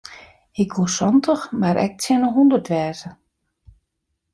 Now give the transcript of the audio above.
Hy koe santich mar ek tsjin de hûndert wêze.